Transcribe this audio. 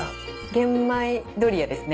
玄米ドリアですね。